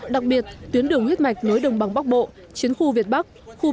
đặc biệt tuyến đường huyết mạch nối đồng bằng bóc bộ chiến khu việt bắc khu ba khu bốn